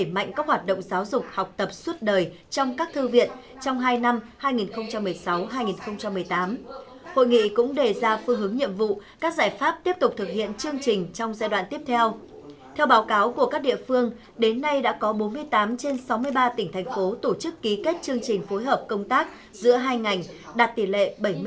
báo cáo của các địa phương đến nay đã có bốn mươi tám trên sáu mươi ba tỉnh thành phố tổ chức ký kết chương trình phối hợp công tác giữa hai ngành đạt tỷ lệ bảy mươi sáu